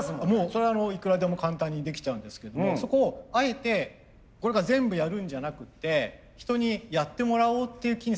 それはいくらでも簡単にできちゃうんですけどもそこをあえてこれが全部やるんじゃなくて人にやってもらおうっていう気にさせるっていう。